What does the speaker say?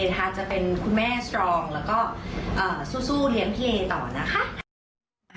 ทาจะเป็นคุณแม่สตรองแล้วก็เอ่อสู้สู้เลี้ยงเพลต่อนะคะ